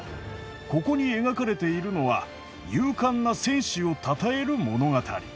ここに描かれているのは勇敢な戦士をたたえる物語。